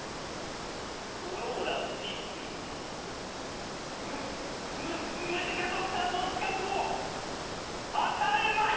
フローラとピッピにムムムジカドクターの資格を与えます！